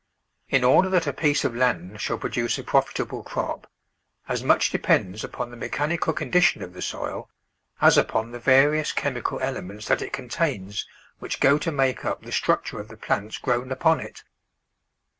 In order that a piece of land shall produce a profit able crop, as much depends upon the mechanical condition of the soil as upon the various chemical elements that it contains which go to make up the structure of the plants grown upon it.